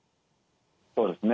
そうですね。